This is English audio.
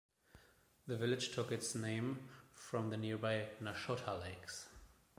The village took its name from the nearby Nashotah Lakes.